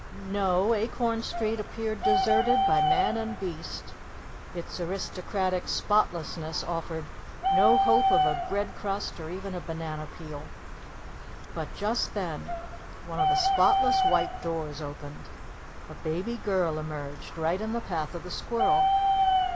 No, Acorn Street appeared deserted by man and beast. Its aristocratic spotlessness offered no hope of a bread crust or even a banana peel. But just then one of the spotless white doors opened. A baby girl emerged right in the path of the squirrel.